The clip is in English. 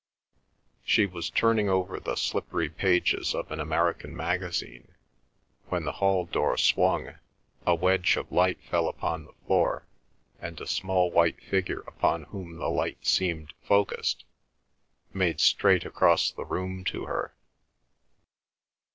She was turning over the slippery pages of an American magazine, when the hall door swung, a wedge of light fell upon the floor, and a small white figure upon whom the light seemed focussed, made straight across the room to her.